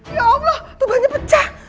ya allah tubuhnya pecah